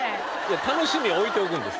楽しみは置いておくんです。